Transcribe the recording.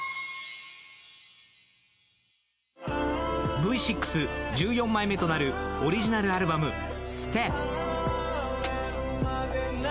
Ｖ６１４枚目となるオリジナルアルバム「ＳＴＥＰ」。